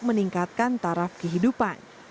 meningkatkan taraf kehidupan